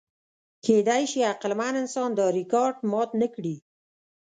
کېدی شي عقلمن انسان دا ریکارډ مات نهکړي.